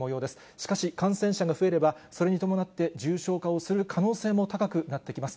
しかし、感染者が増えれば、それに伴って重症化をする可能性も高くなってきます。